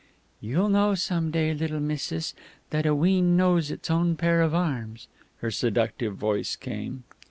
"You'll know some day, little missis, that a wean knows its own pair of arms," her seductive voice came.